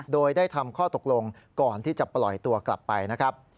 โดยได้ทำข้อตกลงก่อนที่จะปล่อยตัวกลับไปนะครับ